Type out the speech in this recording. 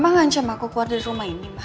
mama ngancam aku keluar dari rumah ini mbak